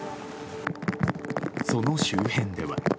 その周辺では。